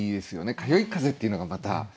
「かよいかぜ」っていうのがまた。